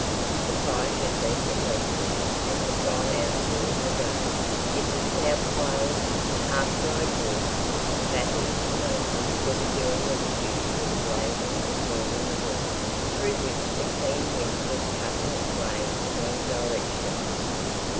The fire had been neglected, and had gone out during the day; it was now piled up with half dried wood, which sputtered and smoked instead of doing its duty in blazing and warming the room, through which the keen wind was cutting its way in all directions.